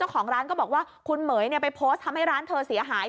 ของร้านก็บอกว่าคุณเหม๋ยไปโพสต์ทำให้ร้านเธอเสียหาย